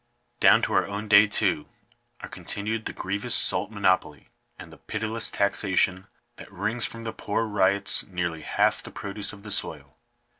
Down to our own day, too, are continued the grievous salt monopoly, and the pitiless taxation, that wrings from the poor ryots nearly half the produce of the soil.